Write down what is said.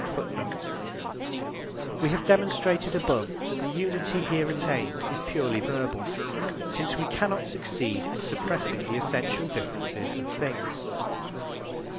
" We have demonstrated above that the unity here attained is purely verbal, since we cannot succeed in suppressing the essential differences of things.